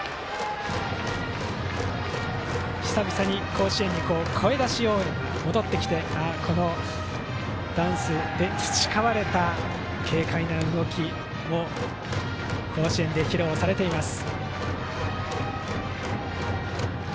久々に甲子園に声出し応援が戻ってきてダンスで培われた軽快な動きも甲子園で披露されています。